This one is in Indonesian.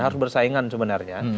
harus bersaingan sebenarnya